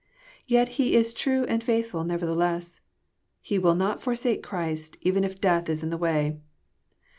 Yet he is true and faithfbl nevertheless. He will not forsake Christ, even if death is in the way.